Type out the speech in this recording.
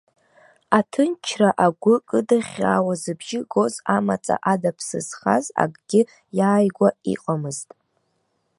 Аҭынчра агәы кыдыӷьӷьаауа зыбжьы гоз амаҵа ада ԥсы зхаз акгьы иааигәа иҟамызт.